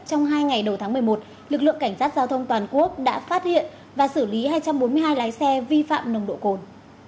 trong hai ngày đầu tháng một mươi một lực lượng cảnh sát giao thông toàn quốc đã phát hiện và xử lý hai trăm bốn mươi hai lái xe vi phạm nồng độ cồn